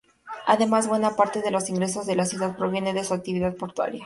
Además, buena parte de los ingresos de la ciudad proviene de su actividad portuaria.